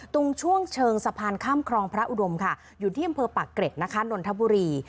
ตรงช่วงเชิงสะพานข้ามครองพระอุดมค่ะอยู่ที่อำเภอปากเกร็ดนะคะนนทบุรี